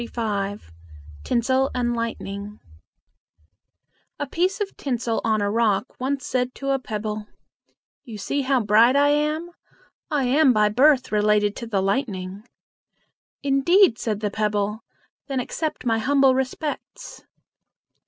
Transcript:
TINSEL AND LIGHTNING A piece of tinsel on a rock once said to a pebble, "You see how bright I am! I am by birth related to the lightning." "Indeed!" said the pebble; "then accept my humble respects."